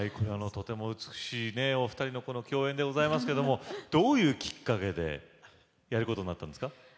とても美しいお二人の共演でございますけどどういうきっかけでやることになったんですか？